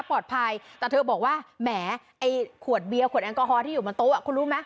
ปลอดภัยแต่เธอบอกว่าแหมไอ้ขวดเบียร์ขวดแอลกอฮอลที่อยู่บนโต๊ะคุณรู้ไหม